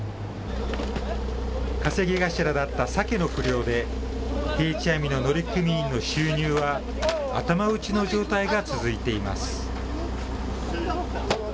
稼ぎ頭だったサケの不漁で、定置網の乗組員の収入は頭打ちの状態が続いています。